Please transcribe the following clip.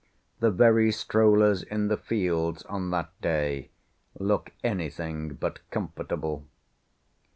The very strollers in the fields on that day look anything but comfortable.